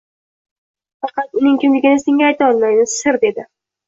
Faqat uning kimligini senga ayta olmaymiz sir, dedi